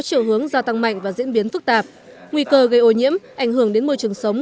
chiều hướng gia tăng mạnh và diễn biến phức tạp nguy cơ gây ô nhiễm ảnh hưởng đến môi trường sống